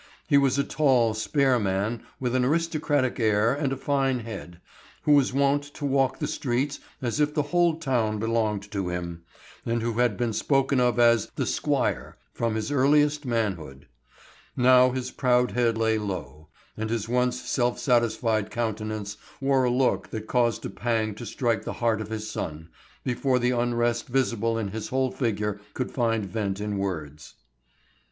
He was a tall, spare man with an aristocratic air and a fine head, who was wont to walk the streets as if the whole town belonged to him, and who had been spoken of as "the Squire" from his earliest manhood. Now his proud head lay low, and his once self satisfied countenance wore a look that caused a pang to strike the heart of his son, before the unrest visible in his whole figure could find vent in words.